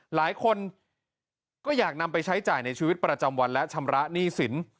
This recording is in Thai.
หลายคนก็อยากนำไปใช้จ่ายในชีวิตประจำวันและชำระหนี้สิน